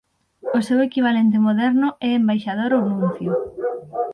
O seu equivalente moderno é embaixador ou nuncio.